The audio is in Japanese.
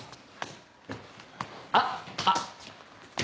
あっあっ。